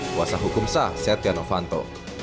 kuasa hukum sah setia novanto